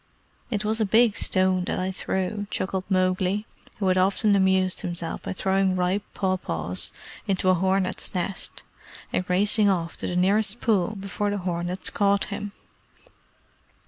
"It was a big stone that I threw," chuckled Mowgli, who had often amused himself by throwing ripe paw paws into a hornet's nest, and racing off to the nearest pool before the hornets caught him.